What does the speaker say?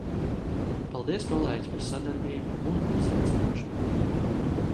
Paldies kolēģi par sadarbību un uzaicināšanu!